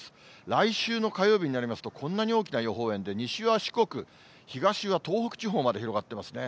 来週の火曜日になりますと、こんなに大きな予報円で、西は四国、東は東北地方まで広がってますね。